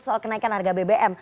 soal kenaikan harga bbm